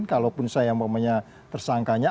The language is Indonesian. kalaupun saya maksudnya